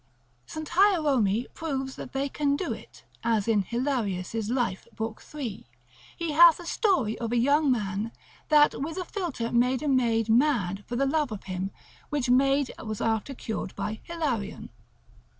St. Hierome proves that they can do it (as in Hilarius' life, epist. lib. 3); he hath a story of a young man, that with a philter made a maid mad for the love of him, which maid was after cured by Hilarion.